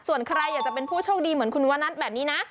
ส่วนใครอยากจะเป็นผู้โชคดีเหมือนคุณวันนัทแบบนี้นะ